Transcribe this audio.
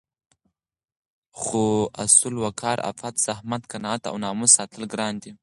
خو اصول، وقار، عفت، زحمت، قناعت او ناموس ساتل ګران دي